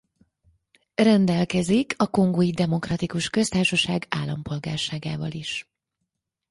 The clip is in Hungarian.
Rendelkezik a Kongói Demokratikus Köztársaság állampolgárságával is.